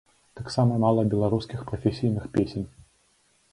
Таксама мала беларускіх прафесійных песень.